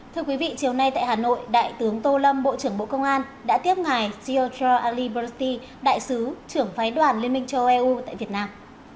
thưa quý vị chiều nay tại hà nội đại tướng tô lâm bộ trưởng bộ công an đã tiếp ngài jil aliberti đại sứ trưởng phái đoàn liên minh châu âu eu tại việt nam